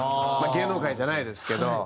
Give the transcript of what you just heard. まあ芸能界じゃないですけど。